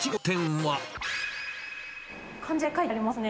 漢字で書いてありますね。